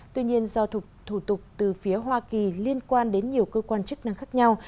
tuy nhiên do thủ tục từ phía hoa kỳ liên quan đến nhiều cơ quan chức năng khác nhau